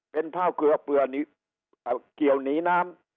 เป็นผ้าเกลือเกี่ยวหนีน้ำ